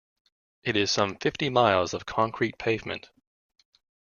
It is some fifty miles of concrete pavement.